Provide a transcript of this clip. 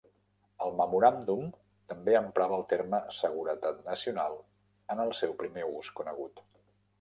El memoràndum també emprava el terme "seguretat nacional" en el seu primer ús conegut.